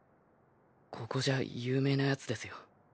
ここじゃ有名な奴ですよ。